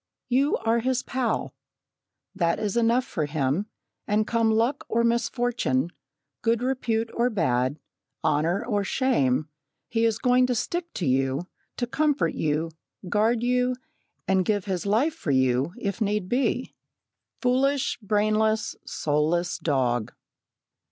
You are his pal. That is enough for him, and come luck or misfortune, good repute or bad, honour or shame, he is going to stick to you, to comfort you, guard you, and give his life for you, if need be foolish, brainless, soulless dog!